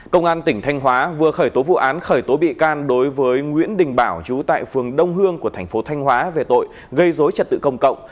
công an tỉnh thanh hóa vừa khởi tố vụ án khởi tố bị can đối với nguyễn đình bảo chú tại phường đông hương của thành phố thanh hóa về tội gây dối trật tự công cộng